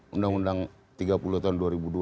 undang undang tiga puluh tahun dua ribu dua